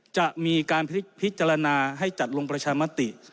จะมีการพิจารณาให้จัดลงประชามติ